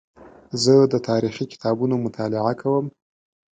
زه د تاریخي کتابونو مطالعه کوم.